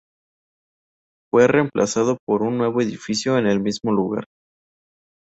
Fue reemplazado por un nuevo edificio en el mismo lugar.